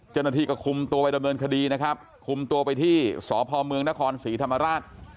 เจ้าหน้าที่ก็คุมตัวไปดำเนินคดีนะครับคุมตัวไปที่สพเมืองนครศรีธรรมราช